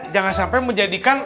jangan sampai menjadikan